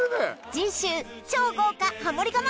次週超豪華ハモリ我慢